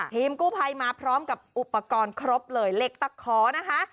ทีมกู้ภัยมาพร้อมกับอุปกรณ์ครบเลยเหล็กตะขอนะคะ